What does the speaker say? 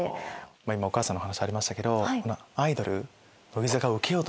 今お母さんのお話ありましたけどアイドル。